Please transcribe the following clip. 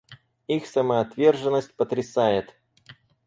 Их самоотверженность потрясает.